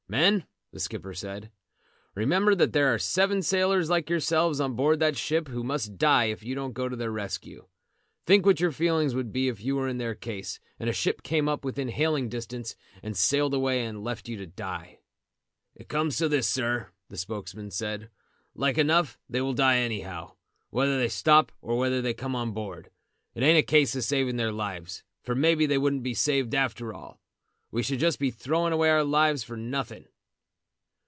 "Men," the skipper said, "remember that there are seven sailors like yourselves on board that ship who must die if you don't go to their rescue. Think what your feelings would be if you were in their case, and a ship came up within hailing distance, and sailed away and left you to die." "It comes to this, sir," the spokesman said. "Like enough they will die anyhow, whether they stop there or whether they come on board. It ain't a case of saving their lives, for maybe they wouldn't be saved after all; we should be just throwing away our lives for nothing."